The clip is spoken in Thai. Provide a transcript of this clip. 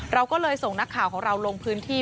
เราก็เลยส่งนักข่าวของเราลงพื้นที่